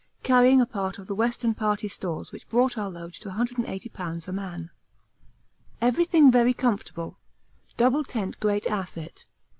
carrying a part of the Western Party stores which brought our load to 180 lbs. a man. Everything very comfortable; double tent great asset.